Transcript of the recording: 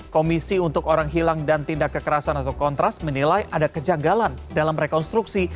komisi untuk orang hilang dan tindak kekerasan atau kontras menilai ada kejanggalan dalam rekonstruksi